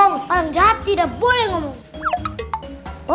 orang jahat tidak boleh ngomong